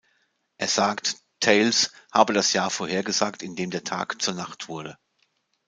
Er sagt, Thales habe das Jahr vorhergesagt, in dem der Tag zur Nacht wurde.